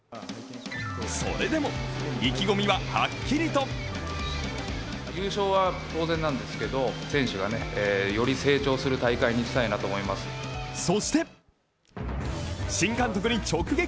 それでも意気込みははっきりとそして、新監督に直撃。